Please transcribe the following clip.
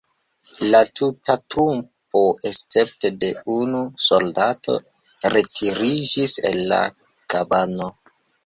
La tuta trupo escepte de unu soldato retiriĝis el la kabano.